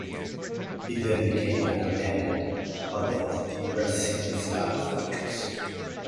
He then became the commandant of the Theresienstadt fortress.